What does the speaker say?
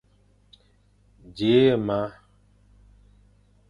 Dji ye ma.